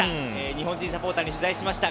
日本人サポーターに取材しました。